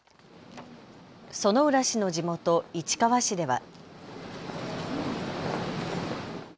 薗浦氏の地元、市川市では。